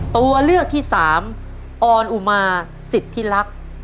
ตัวเลือกที่สามออนอุมาสิทธิลักษณ์